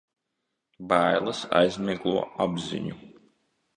Bailes aizmiglo apziņu.